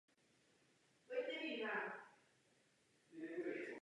Maďarskému předsednictví se vyjednávání dařilo, stejně jako nám.